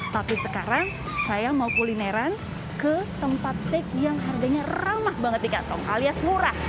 tapi sekarang saya mau kulineran ke tempat steak yang harganya ramah banget di kantong alias murah